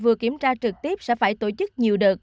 vừa kiểm tra trực tiếp sẽ phải tổ chức nhiều đợt